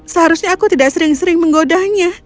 seharusnya aku tidak sering sering menggodanya